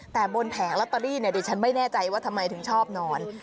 แต่บนแผงลอตเตอรี่ดิฉันไม่แน่ใจว่าทำไมถึงชอบนอน